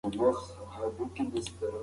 دغه هلک زما د صبر تر ټولو لوی ازمېښت دی.